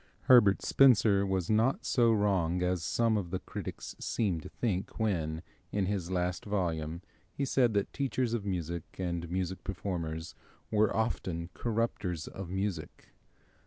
Herbert Spencer was not so wrong as some of the critics seem to think when, in his last volume, he said that teachers of music and music performers were often corrupters of music.